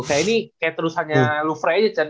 kayak ini kayak terusannya lufrey aja cen